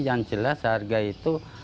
yang jelas harga itu